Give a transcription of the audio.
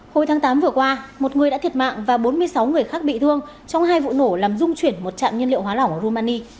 hồi tháng tám vừa qua một người đã thiệt mạng và bốn mươi sáu người khác bị thương trong hai vụ nổ làm rung chuyển một trạm nhiên liệu hóa lỏng ở rumani